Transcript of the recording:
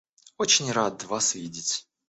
Очень рад вас видеть.